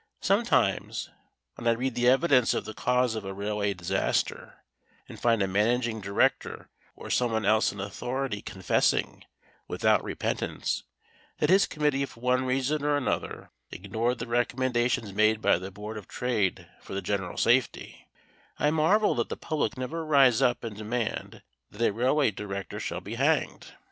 Sometimes, when I read the evidence of the cause of a railway disaster, and find a managing director or someone else in authority confessing, without repentance, that his committee for one reason or another ignored the recommendations made by the Board of Trade for the general safety, I marvel that the public never rise up and demand that a railway director shall be hanged.